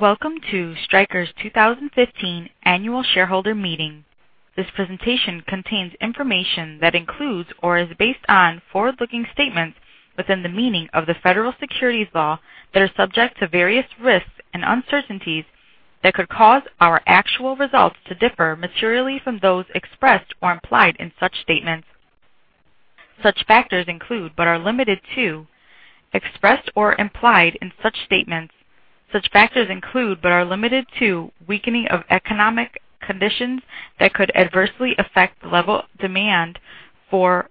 Welcome to Stryker's 2015 annual shareholder meeting. This presentation contains information that includes or is based on forward-looking statements within the meaning of the Federal Securities law that are subject to various risks and uncertainties that could cause our actual results to differ materially from those expressed or implied in such statements. Such factors include, but are limited to, weakening of economic conditions that could adversely affect the level of demand for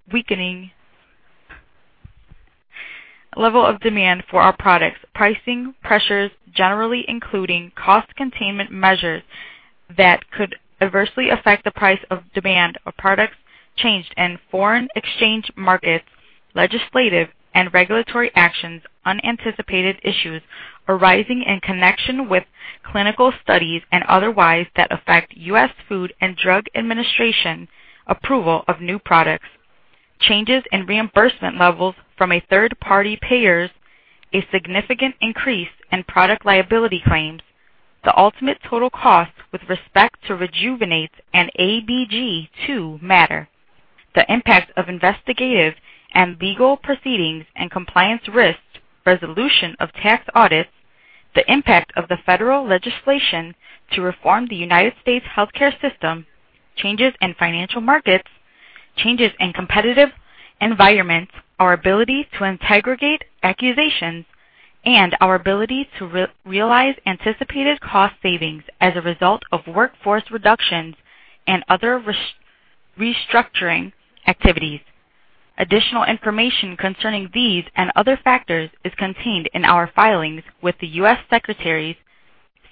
our products, pricing pressures, generally including cost containment measures that could adversely affect the price of demand of products changed in foreign exchange markets, legislative and regulatory actions, unanticipated issues arising in connection with clinical studies and otherwise that affect U.S. Food and Drug Administration approval of new products, changes in reimbursement levels from third-party payers, a significant increase in product liability claims, the ultimate total cost with respect to Rejuvenate and ABG II matter, the impact of investigative and legal proceedings and compliance risks, resolution of tax audits, the impact of the federal legislation to reform the United States healthcare system, changes in financial markets, changes in competitive environments, our ability to integrate acquisitions, and our ability to realize anticipated cost savings as a result of workforce reductions and other restructuring activities. Additional information concerning these and other factors is contained in our filings with the U.S.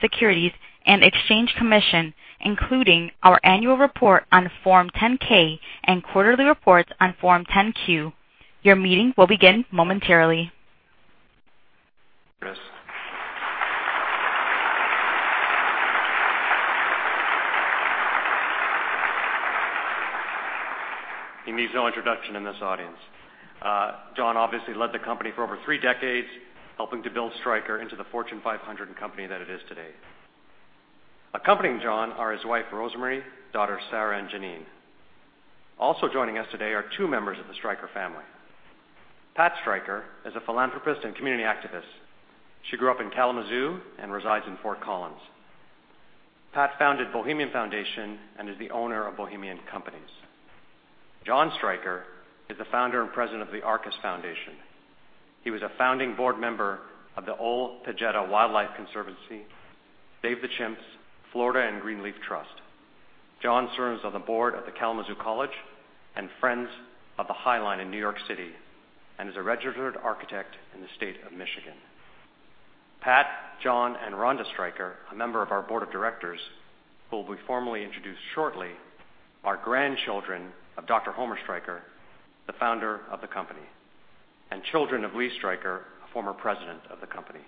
Securities and Exchange Commission, including our annual report on Form 10-K and quarterly reports on Form 10-Q. Your meeting will begin momentarily. He needs no introduction in this audience. John obviously led the company for over three decades, helping to build Stryker into the Fortune 500 company that it is today. Accompanying John are his wife, Rose Marie, daughters Sarah and Janine. Also joining us today are two members of the Stryker family. Pat Stryker is a philanthropist and community activist. She grew up in Kalamazoo and resides in Fort Collins. Pat founded Bohemian Foundation and is the owner of Bohemian Companies. Jon Stryker is the founder and president of the Arcus Foundation. He was a founding board member of the Ol Pejeta Conservancy, Save the Chimps, Florida and Greenleaf Trust. Jon serves on the board of the Kalamazoo College and Friends of the High Line in New York City and is a registered architect in the state of Michigan. Pat, Jon, and Ronda Stryker, a member of our board of directors, who will be formally introduced shortly, are grandchildren of Dr. Homer Stryker, the founder of the company, and children of Lee Stryker, former president of the company.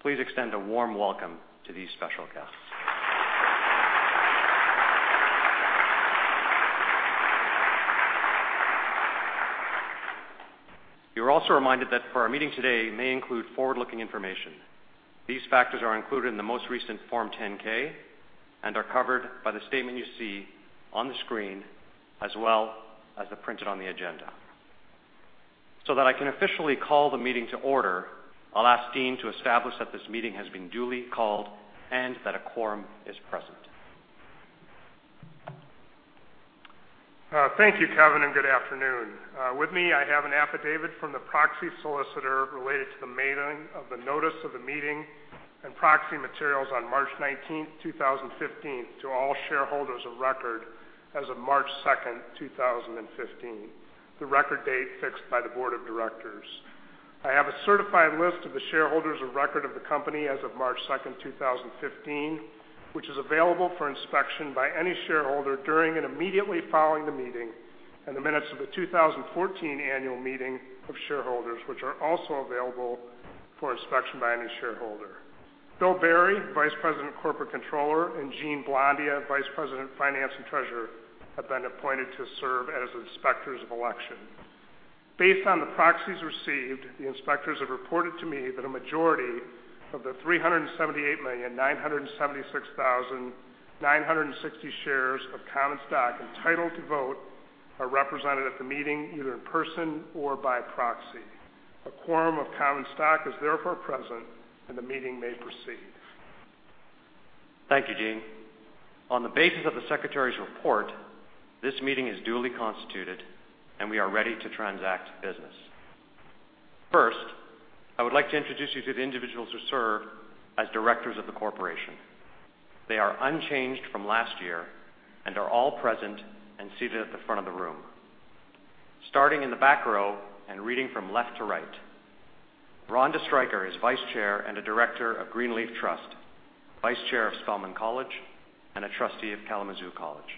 Please extend a warm welcome to these special guests. You are also reminded that our meeting today may include forward-looking information. These factors are included in the most recent Form 10-K and are covered by the statement you see on the screen, as well as printed on the agenda. That I can officially call the meeting to order, I'll ask Dean to establish that this meeting has been duly called and that a quorum is present. Thank you, Kevin, and good afternoon. With me, I have an affidavit from the proxy solicitor related to the mailing of the notice of the meeting and proxy materials on March 19, 2015, to all shareholders of record as of March 2, 2015, the record date fixed by the board of directors. I have a certified list of the shareholders of record of the company as of March 2, 2015, which is available for inspection by any shareholder during and immediately following the meeting, and the minutes of the 2014 annual meeting of shareholders, which are also available for inspection by any shareholder. Bill Berry, Vice President, Corporate Controller, and Jeanne Blondia, Vice President, Finance and Treasurer, have been appointed to serve as inspectors of election. Based on the proxies received, the inspectors have reported to me that a majority of the 378,976,960 shares of common stock entitled to vote are represented at the meeting, either in person or by proxy. A quorum of common stock is therefore present and the meeting may proceed. Thank you, Dean. On the basis of the secretary's report, this meeting is duly constituted and we are ready to transact business. First, I would like to introduce you to the individuals who serve as directors of the corporation. They are unchanged from last year and are all present and seated at the front of the room. Starting in the back row and reading from left to right. Ronda Stryker is Vice Chair and a Director of Greenleaf Trust, Vice Chair of Spelman College, and a trustee of Kalamazoo College.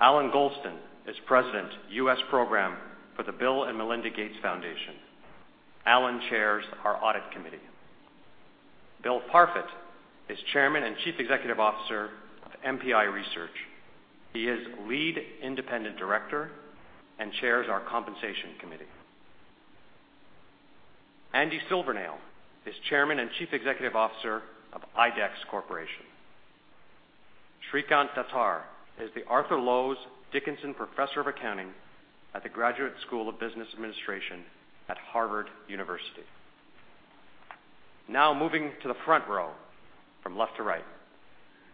Allan Golston is President, U.S. Program for the Bill & Melinda Gates Foundation. Allan chairs our audit committee. Bill Parfet is Chairman and Chief Executive Officer of MPI Research. He is Lead Independent Director and Chairs our Compensation Committee. Andy Silvernail is Chairman and Chief Executive Officer of IDEX Corporation. Srikant Datar is the Arthur Lowes Dickinson Professor of Accounting at the Graduate School of Business Administration at Harvard University. Now moving to the front row, from left to right.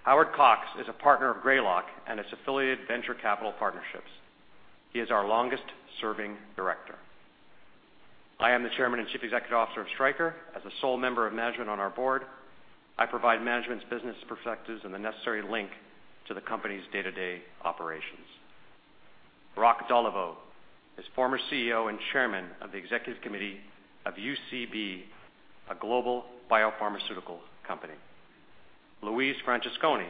Howard Cox is a partner of Greylock and its affiliated venture capital partnerships. He is our longest-serving director. I am the Chairman and Chief Executive Officer of Stryker. As the sole member of management on our board, I provide management's business perspectives and the necessary link to the company's day-to-day operations. Roch Doliveux is former CEO and Chairman of the executive committee of UCB, a global biopharmaceutical company. Louise Francesconi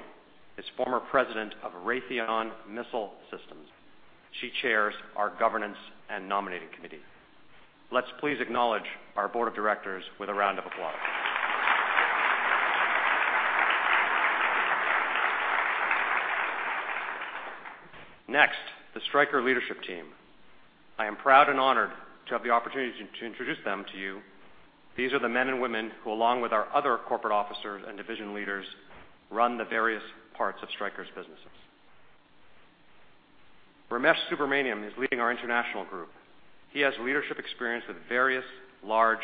is former president of Raytheon Missile Systems. She chairs our Governance and Nominating Committee. Let's please acknowledge our board of directors with a round of applause. Next, the Stryker leadership team. I am proud and honored to have the opportunity to introduce them to you. These are the men and women who, along with our other corporate officers and division leaders, run the various parts of Stryker's businesses. Ramesh Subrahmanian is leading our international group. He has leadership experience with various large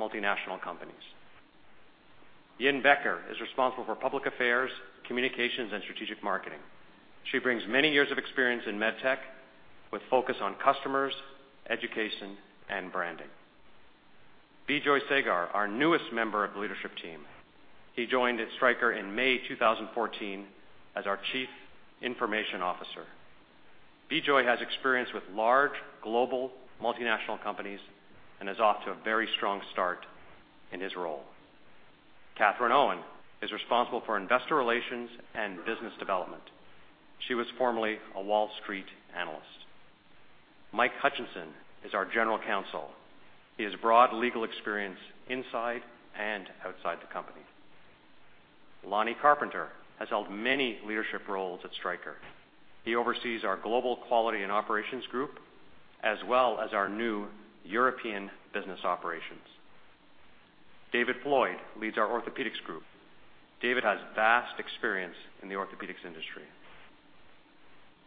multinational companies. Yin Becker is responsible for public affairs, communications, and strategic marketing. She brings many years of experience in med tech with focus on customers, education, and branding. Bijoy Sagar, our newest member of leadership team. He joined Stryker in May 2014 as our Chief Information Officer. Bijoy has experience with large global multinational companies and is off to a very strong start in his role. Katherine Owen is responsible for investor relations and business development. She was formerly a Wall Street analyst. Mike Hutchinson is our general counsel. He has broad legal experience inside and outside the company. Lonny Carpenter has held many leadership roles at Stryker. He oversees our global quality and operations group, as well as our new European business operations. David Floyd leads our Orthopaedics group. David has vast experience in the orthopedics industry.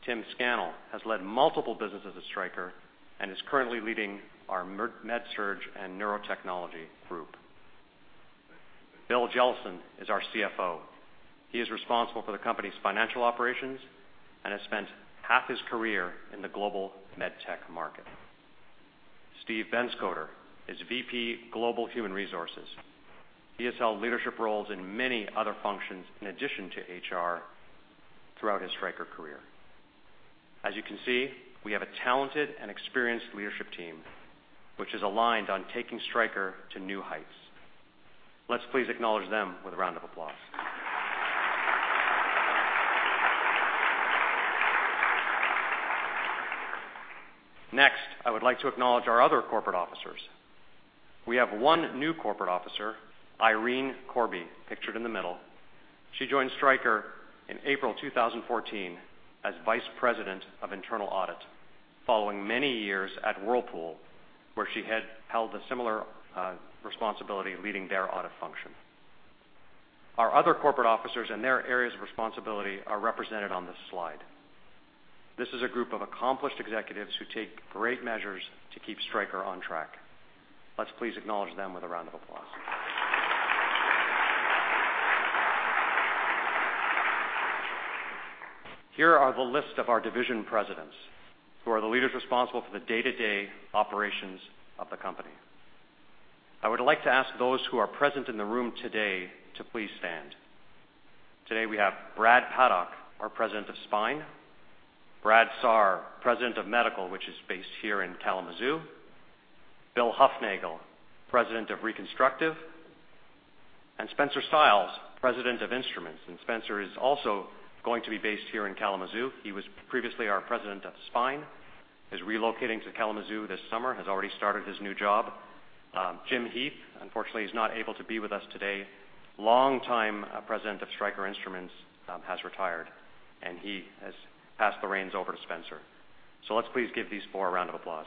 Timothy Scannell has led multiple businesses at Stryker and is currently leading our MedSurg and Neurotechnology group. William Jellison is our CFO. He is responsible for the company's financial operations and has spent half his career in the global med tech market. Steve Benscoter is VP Global Human Resources. He has held leadership roles in many other functions in addition to HR throughout his Stryker career. As you can see, we have a talented and experienced leadership team, which is aligned on taking Stryker to new heights. Let's please acknowledge them with a round of applause. Next, I would like to acknowledge our other corporate officers. We have one new corporate officer, Irene Corbe, pictured in the middle. She joined Stryker in April 2014 as Vice President of Internal Audit, following many years at Whirlpool, where she had held a similar responsibility leading their audit function. Our other corporate officers and their areas of responsibility are represented on this slide. This is a group of accomplished executives who take great measures to keep Stryker on track. Let's please acknowledge them with a round of applause. Here are the list of our division presidents who are the leaders responsible for the day-to-day operations of the company. I would like to ask those who are present in the room today to please stand. Today, we have Brad Paddock, our President of Spine; Brad Saar, President of Medical, which is based here in Kalamazoo; Bill Hufnagle, President of Reconstructive; and Spencer Stiles, President of Instruments, and Spencer is also going to be based here in Kalamazoo. He was previously our President of Spine, is relocating to Kalamazoo this summer, has already started his new job. Jim Heath, unfortunately, is not able to be with us today. Longtime President of Stryker Instruments has retired, and he has passed the reins over to Spencer. Let's please give these four a round of applause.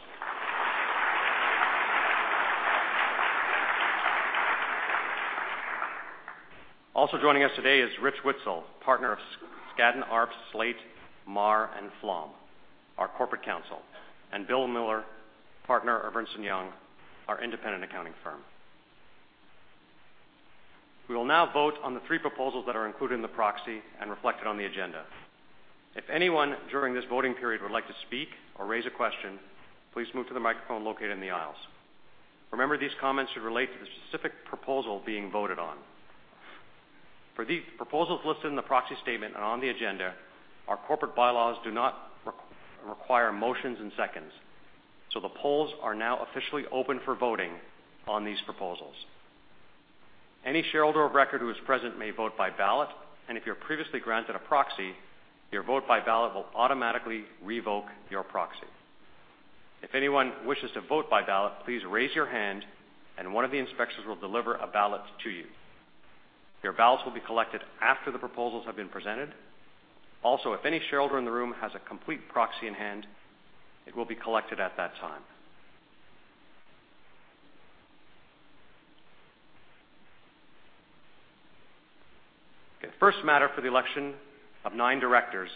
Also joining us today is Rich Witzel, partner of Skadden, Arps, Slate, Meagher & Flom, our corporate counsel, and Bill Miller, partner of Ernst & Young, our independent accounting firm. We will now vote on the three proposals that are included in the proxy and reflected on the agenda. If anyone during this voting period would like to speak or raise a question, please move to the microphone located in the aisles. Remember, these comments should relate to the specific proposal being voted on. For these proposals listed in the proxy statement and on the agenda, our corporate bylaws do not require motions and seconds, so the polls are now officially open for voting on these proposals. Any shareholder of record who is present may vote by ballot, and if you're previously granted a proxy, your vote by ballot will automatically revoke your proxy. If anyone wishes to vote by ballot, please raise your hand, and one of the inspectors will deliver a ballot to you. Your ballots will be collected after the proposals have been presented. Also, if any shareholder in the room has a complete proxy in hand, it will be collected at that time. Okay. First matter for the election of nine directors,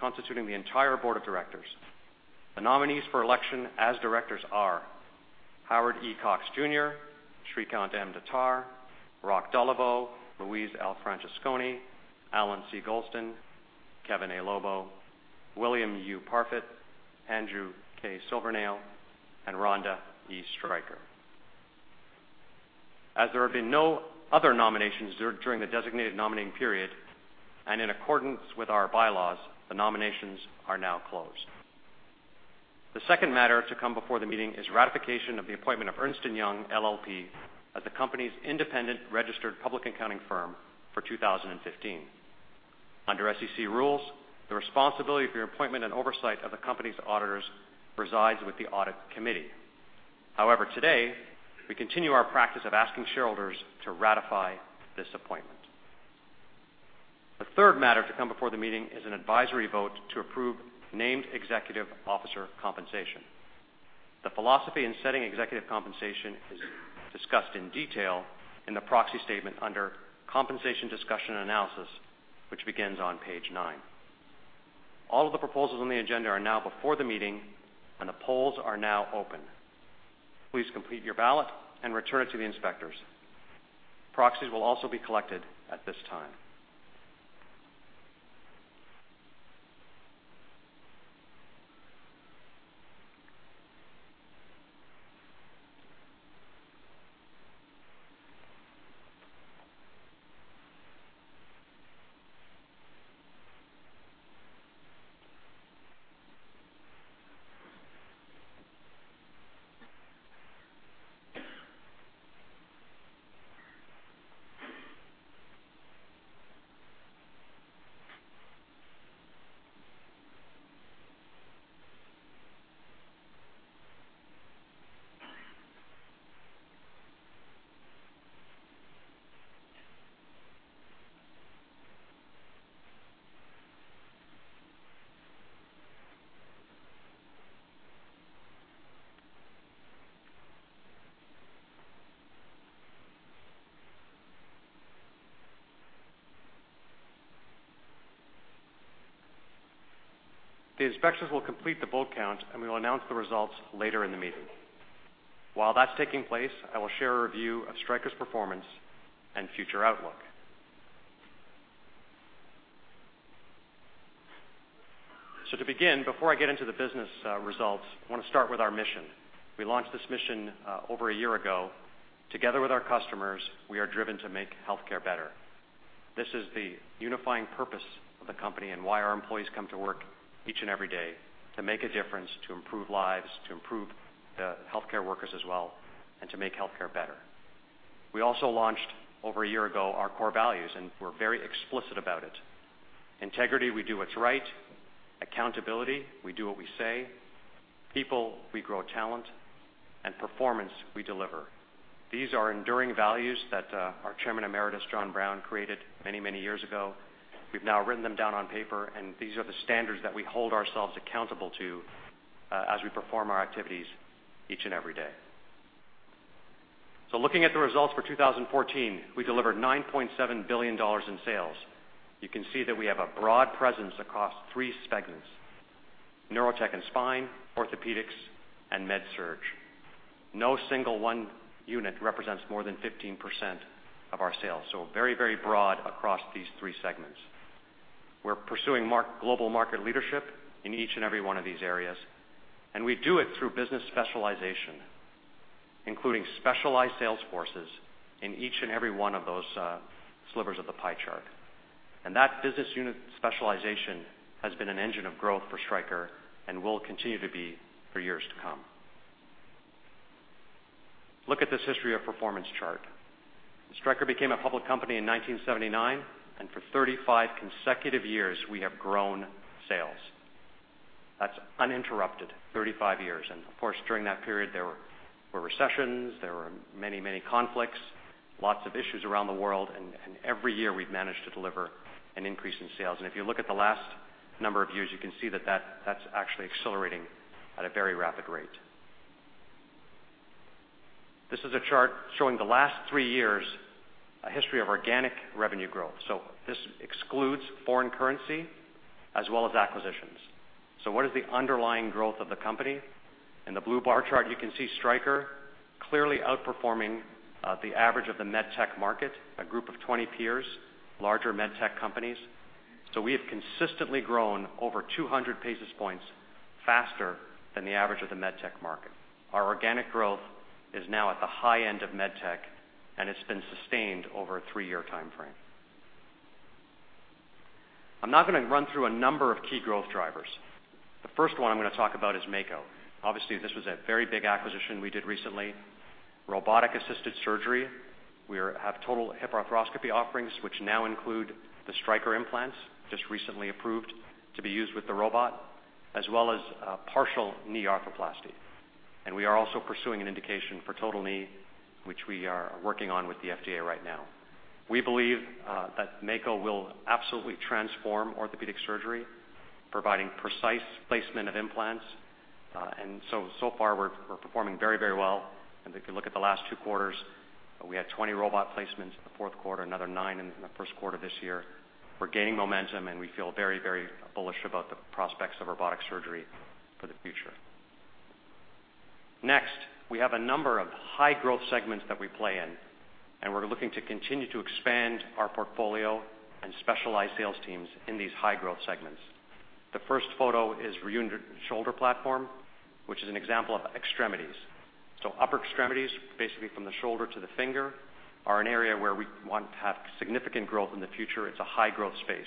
constituting the entire board of directors. The nominees for election as directors are Howard E. Cox Jr., Srikant M. Datar, Roch Doliveux, Louise L. Francesconi, Allan C. Golston, Kevin A. Lobo, William U. Parfet, Andrew K. Silvernail, and Ronda E. Stryker. As there have been no other nominations during the designated nominating period, and in accordance with our bylaws, the nominations are now closed. The second matter to come before the meeting is ratification of the appointment of Ernst & Young LLP as the company's independent registered public accounting firm for 2015. Under SEC rules, the responsibility for the appointment and oversight of the company's auditors resides with the audit committee. However, today, we continue our practice of asking shareholders to ratify this appointment. The third matter to come before the meeting is an advisory vote to approve named executive officer compensation. The philosophy in setting executive compensation is discussed in detail in the proxy statement under Compensation Discussion and Analysis, which begins on page nine. All of the proposals on the agenda are now before the meeting, and the polls are now open. Please complete your ballot and return it to the inspectors. Proxies will also be collected at this time. The inspectors will complete the vote count, and we will announce the results later in the meeting. While that's taking place, I will share a review of Stryker's performance and future outlook. To begin, before I get into the business results, I want to start with our mission. We launched this mission over a year ago. Together with our customers, we are driven to make healthcare better. This is the unifying purpose of the company and why our employees come to work each and every day: to make a difference, to improve lives, to improve healthcare workers as well, and to make healthcare better. We also launched, over a year ago, our core values, and we're very explicit about it. Integrity, we do what's right. Accountability, we do what we say. People, we grow talent. Performance, we deliver. These are enduring values that our Chairman Emeritus, John Brown, created many years ago. We've now written them down on paper, and these are the standards that we hold ourselves accountable to as we perform our activities each and every day. Looking at the results for 2014, we delivered $9.7 billion in sales. You can see that we have a broad presence across three segments: Neurotechnology and Spine, Orthopaedics, and MedSurg. No single one unit represents more than 15% of our sales. Very broad across these three segments. We're pursuing global market leadership in each and every one of these areas, we do it through business specialization, including specialized sales forces in each and every one of those slivers of the pie chart. That business unit specialization has been an engine of growth for Stryker and will continue to be for years to come. Look at this history of performance chart. Stryker became a public company in 1979, and for 35 consecutive years, we have grown sales. That's uninterrupted 35 years. Of course, during that period, there were recessions, there were many conflicts, lots of issues around the world, and every year, we've managed to deliver an increase in sales. If you look at the last number of years, you can see that that's actually accelerating at a very rapid rate. This is a chart showing the last three years, a history of organic revenue growth. This excludes foreign currency as well as acquisitions. What is the underlying growth of the company? In the blue bar chart, you can see Stryker clearly outperforming the average of the med tech market, a group of 20 peers, larger med tech companies. We have consistently grown over 200 basis points faster than the average of the med tech market. Our organic growth is now at the high end of med tech, and it's been sustained over a three-year timeframe. I'm now going to run through a number of key growth drivers. The first one I'm going to talk about is MAKO. Obviously, this was a very big acquisition we did recently Robotic-assisted surgery. We have total hip arthroscopy offerings, which now include the Stryker implants, just recently approved to be used with the robot, as well as partial knee arthroplasty. We are also pursuing an indication for total knee, which we are working on with the FDA right now. We believe that MAKO will absolutely transform orthopedic surgery, providing precise placement of implants. So far, we're performing very well. If you look at the last two quarters, we had 20 robot placements in the fourth quarter, another nine in the first quarter of this year. We're gaining momentum, and we feel very bullish about the prospects of robotic surgery for the future. Next, we have a number of high-growth segments that we play in, and we're looking to continue to expand our portfolio and specialize sales teams in these high-growth segments. The first photo is the ReUnion shoulder platform, which is an example of extremities. Upper extremities, basically from the shoulder to the finger, are an area where we want to have significant growth in the future. It's a high-growth space.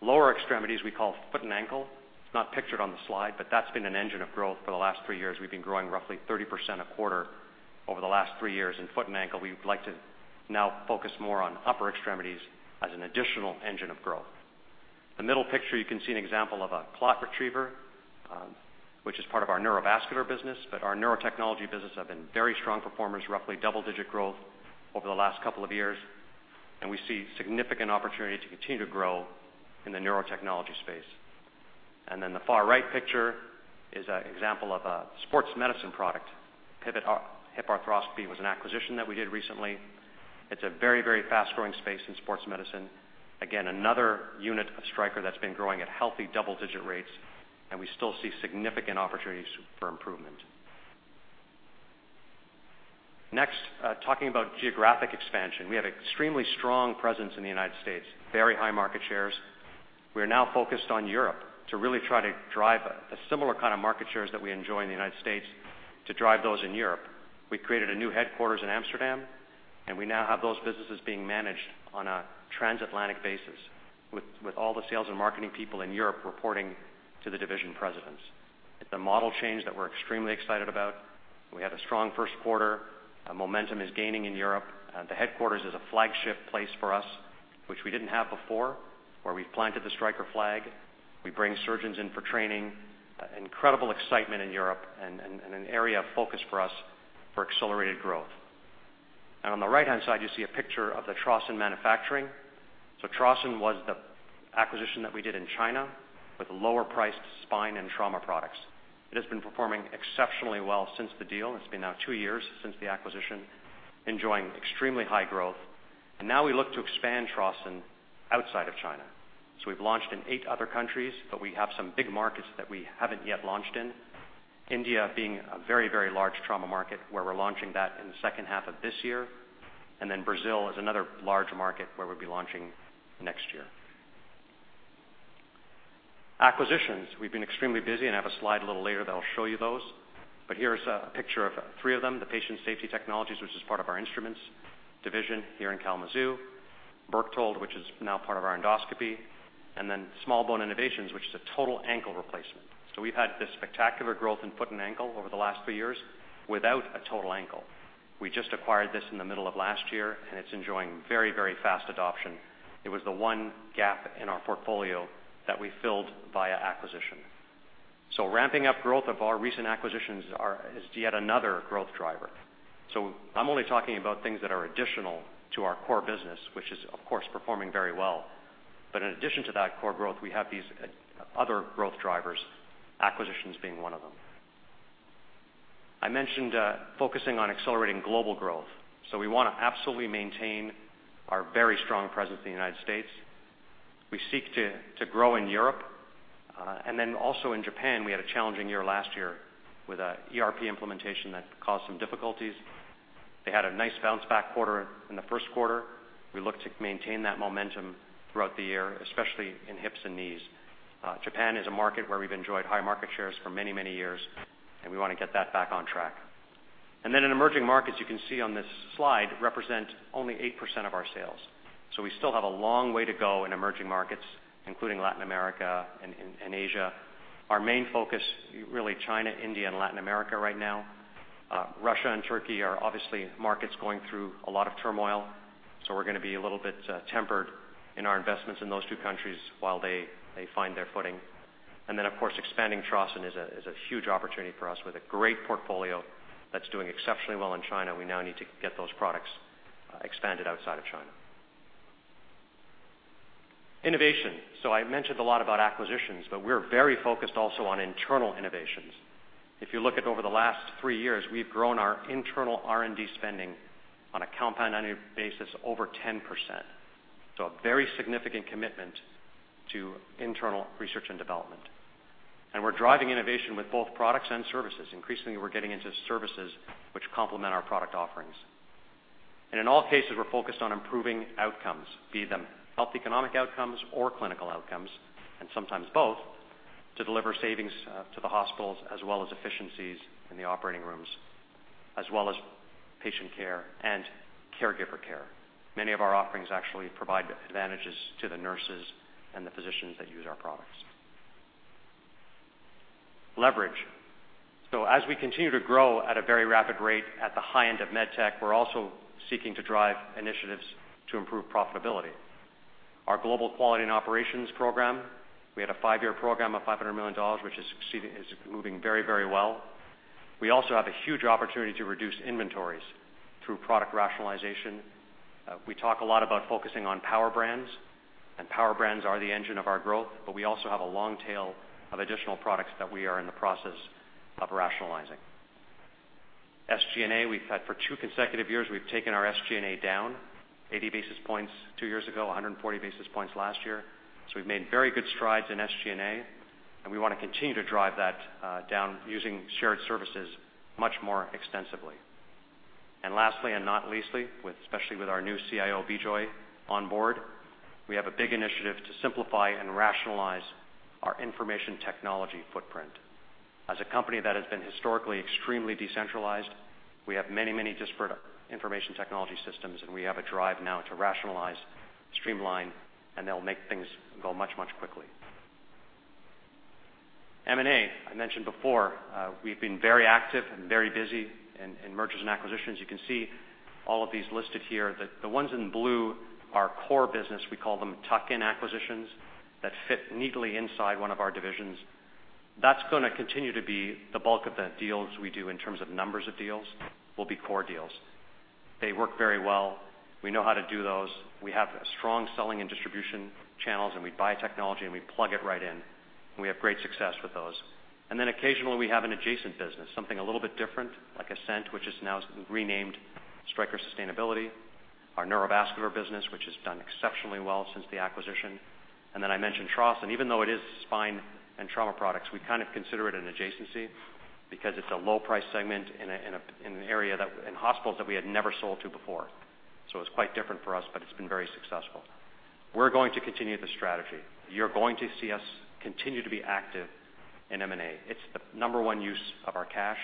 Lower extremities, we call foot and ankle. It's not pictured on the slide, but that's been an engine of growth for the last three years. We've been growing roughly 30% a quarter over the last three years in foot and ankle. We would like to now focus more on upper extremities as an additional engine of growth. The middle picture, you can see an example of a clot retriever, which is part of our neurovascular business, but our neurotechnology business has been very strong performers, roughly double-digit growth over the last couple of years, and we see significant opportunity to continue to grow in the neurotechnology space. The far right picture is an example of a sports medicine product. Pivot Hip Arthroscopy was an acquisition that we did recently. It's a very fast-growing space in sports medicine. Again, another unit of Stryker that's been growing at healthy double-digit rates, and we still see significant opportunities for improvement. Next, talking about geographic expansion. We have extremely strong presence in the United States, very high market shares. We are now focused on Europe to really try to drive the similar kind of market shares that we enjoy in the United States to drive those in Europe. We created a new headquarters in Amsterdam, and we now have those businesses being managed on a transatlantic basis with all the sales and marketing people in Europe reporting to the division presidents. It's a model change that we're extremely excited about. We had a strong first quarter. Momentum is gaining in Europe. The headquarters is a flagship place for us, which we didn't have before, where we've planted the Stryker flag. We bring surgeons in for training. Incredible excitement in Europe and an area of focus for us for accelerated growth. On the right-hand side, you see a picture of the Trauson manufacturing. Trauson was the acquisition that we did in China with lower priced spine and trauma products. It has been performing exceptionally well since the deal. It's been now two years since the acquisition, enjoying extremely high growth. Now we look to expand Trauson outside of China. We've launched in eight other countries, but we have some big markets that we haven't yet launched in. India being a very large trauma market where we're launching that in the second half of this year. Brazil is another large market where we'll be launching next year. Acquisitions. We've been extremely busy and I have a slide a little later that'll show you those. Here's a picture of three of them, the Patient Safety Technologies, which is part of our Instruments division here in Kalamazoo, Berchtold, which is now part of our endoscopy, and then Small Bone Innovations, which is a total ankle replacement. We've had this spectacular growth in foot and ankle over the last three years without a total ankle. We just acquired this in the middle of last year, and it's enjoying very fast adoption. It was the one gap in our portfolio that we filled via acquisition. Ramping up growth of our recent acquisitions is yet another growth driver. I'm only talking about things that are additional to our core business, which is of course performing very well. In addition to that core growth, we have these other growth drivers, acquisitions being one of them. I mentioned focusing on accelerating global growth. We want to absolutely maintain our very strong presence in the U.S. We seek to grow in Europe. Also in Japan, we had a challenging year last year with an ERP implementation that caused some difficulties. They had a nice bounce-back quarter in the first quarter. We look to maintain that momentum throughout the year, especially in hips and knees. Japan is a market where we've enjoyed high market shares for many years, and we want to get that back on track. In emerging markets, you can see on this slide represent only 8% of our sales. We still have a long way to go in emerging markets, including Latin America and Asia. Our main focus, really China, India, and Latin America right now. Russia and Turkey are obviously markets going through a lot of turmoil, so we're going to be a little bit tempered in our investments in those two countries while they find their footing. Of course, expanding Trauson is a huge opportunity for us with a great portfolio that's doing exceptionally well in China. We now need to get those products expanded outside of China. Innovation. I mentioned a lot about acquisitions, but we're very focused also on internal innovations. If you look at over the last three years, we've grown our internal R&D spending on a compound annual basis over 10%. A very significant commitment to internal research and development. We're driving innovation with both products and services. Increasingly, we're getting into services which complement our product offerings. In all cases, we're focused on improving outcomes, be them health economic outcomes or clinical outcomes, and sometimes both, to deliver savings to the hospitals as well as efficiencies in the operating rooms, as well as patient care and caregiver care. Many of our offerings actually provide advantages to the nurses and the physicians that use our products. Leverage. As we continue to grow at a very rapid rate at the high end of med tech, we're also seeking to drive initiatives to improve profitability. Our global quality and operations program, we had a five-year program of $500 million, which is moving very well. We also have a huge opportunity to reduce inventories through product rationalization. We talk a lot about focusing on power brands, and power brands are the engine of our growth, but we also have a long tail of additional products that we are in the process of rationalizing. SG&A, for two consecutive years, we've taken our SG&A down 80 basis points two years ago, 140 basis points last year. We've made very good strides in SG&A, and we want to continue to drive that down using shared services much more extensively. Lastly, and not leastly, especially with our new CIO, Bijoy, on board, we have a big initiative to simplify and rationalize our information technology footprint. As a company that has been historically extremely decentralized, we have many disparate information technology systems, and we have a drive now to rationalize, streamline, and that'll make things go much quickly. M&A, I mentioned before, we've been very active and very busy in mergers and acquisitions. You can see all of these listed here. The ones in blue are core business. We call them tuck-in acquisitions that fit neatly inside one of our divisions. That's going to continue to be the bulk of the deals we do in terms of numbers of deals, will be core deals. They work very well. We know how to do those. We have strong selling and distribution channels, and we buy technology, and we plug it right in. We have great success with those. Occasionally, we have an adjacent business, something a little bit different, like Ascent, which is now renamed Stryker Sustainability, our neurovascular business, which has done exceptionally well since the acquisition. I mentioned Trauson, and even though it is spine and trauma products, we kind of consider it an adjacency because it's a low-price segment in hospitals that we had never sold to before. It's quite different for us, but it's been very successful. We're going to continue the strategy. You're going to see us continue to be active in M&A. It's the number 1 use of our cash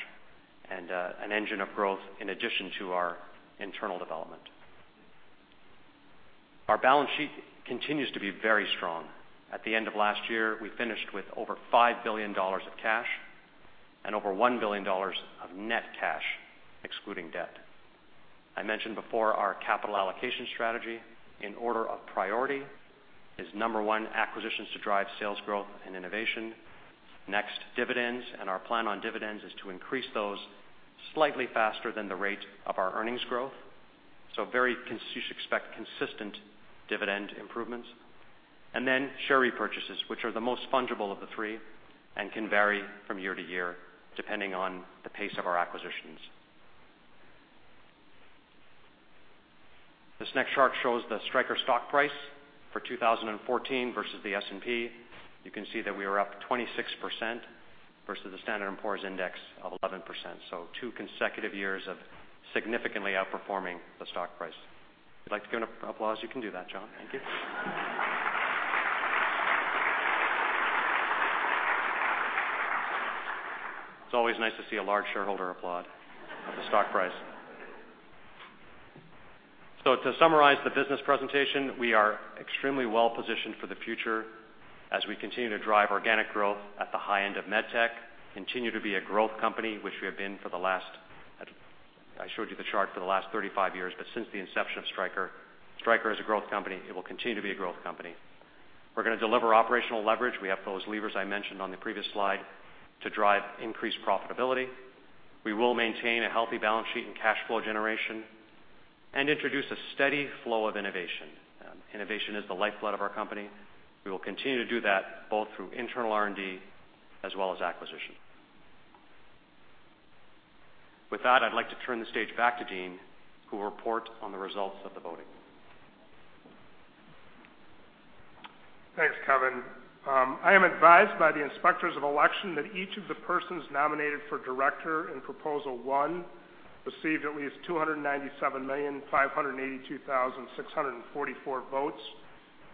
and an engine of growth in addition to our internal development. Our balance sheet continues to be very strong. At the end of last year, we finished with over $5 billion of cash and over $1 billion of net cash, excluding debt. I mentioned before our capital allocation strategy in order of priority is number 1, acquisitions to drive sales growth and innovation. Next, dividends. Our plan on dividends is to increase those slightly faster than the rate of our earnings growth. You should expect consistent dividend improvements. Share repurchases, which are the most fungible of the three and can vary from year to year, depending on the pace of our acquisitions. This next chart shows the Stryker stock price for 2014 versus the S&P. You can see that we are up 26% versus the Standard & Poor's index of 11%. Two consecutive years of significantly outperforming the stock price. If you'd like to give an applause, you can do that, John. Thank you. It's always nice to see a large shareholder applaud the stock price. To summarize the business presentation, we are extremely well-positioned for the future as we continue to drive organic growth at the high end of med tech, continue to be a growth company, which we have been for the last, I showed you the chart, for the last 35 years, but since the inception of Stryker. Stryker is a growth company. It will continue to be a growth company. We're going to deliver operational leverage. We have those levers I mentioned on the previous slide to drive increased profitability. We will maintain a healthy balance sheet and cash flow generation and introduce a steady flow of innovation. Innovation is the lifeblood of our company. We will continue to do that both through internal R&D as well as acquisition. With that, I'd like to turn the stage back to Jeanne, who will report on the results of the voting. Thanks, Kevin. I am advised by the inspectors of election that each of the persons nominated for director in Proposal 1 received at least 297,582,644 votes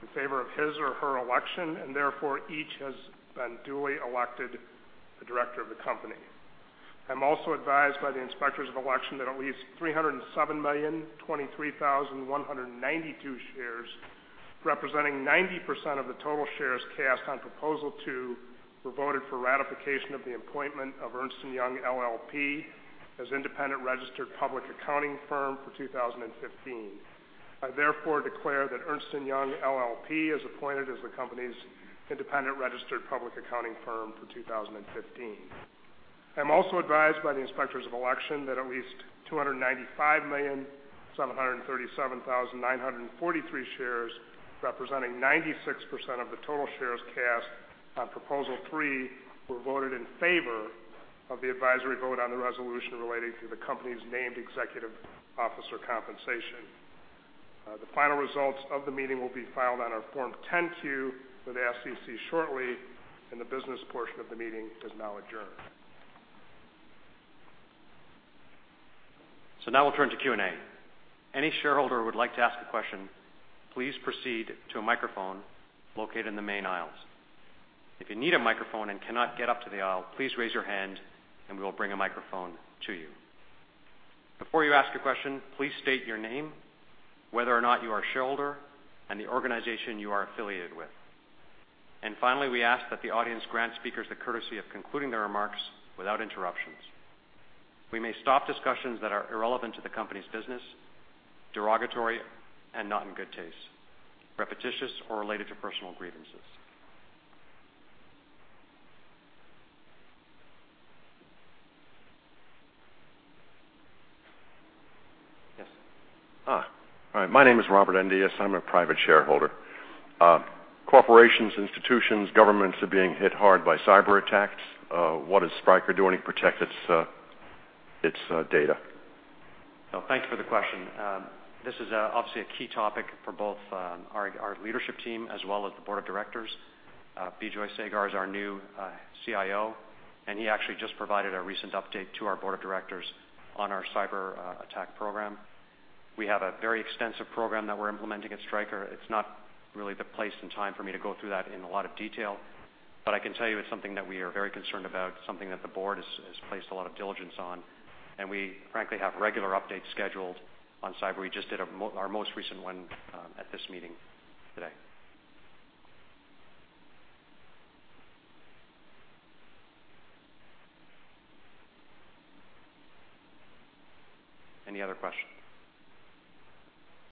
in favor of his or her election, and therefore each has been duly elected a director of the company. I'm also advised by the inspectors of election that at least 307,023,192 shares, representing 90% of the total shares cast on Proposal 2, were voted for ratification of the appointment of Ernst & Young LLP as independent registered public accounting firm for 2015. I therefore declare that Ernst & Young LLP is appointed as the company's independent registered public accounting firm for 2015. I'm also advised by the inspectors of election that at least 295,737,943 shares, representing 96% of the total shares cast on Proposal 3, were voted in favor of the advisory vote on the resolution relating to the company's named executive officer compensation. The final results of the meeting will be filed on our Form 10-Q with the SEC shortly. The business portion of the meeting is now adjourned. Now we'll turn to Q&A. Any shareholder who would like to ask a question, please proceed to a microphone located in the main aisles. If you need a microphone and cannot get up to the aisle, please raise your hand, and we will bring a microphone to you. Before you ask a question, please state your name, whether or not you are a shareholder, the organization you are affiliated with. Finally, we ask that the audience grant speakers the courtesy of concluding their remarks without interruptions. We may stop discussions that are irrelevant to the company's business, derogatory, and not in good taste, repetitious, or related to personal grievances. Yes. Hi, my name is Robert Endias. I'm a private shareholder. Corporations, institutions, governments are being hit hard by cyberattacks. What is Stryker doing to protect its data? Thank you for the question. This is obviously a key topic for both our leadership team as well as the board of directors. Bijoy Sagar is our new CIO, and he actually just provided a recent update to our board of directors on our cyberattack program. We have a very extensive program that we're implementing at Stryker. It's not really the place and time for me to go through that in a lot of detail, but I can tell you it's something that we are very concerned about, something that the board has placed a lot of diligence on, and we frankly have regular updates scheduled on cyber. We just did our most recent one at this meeting today. Any other questions?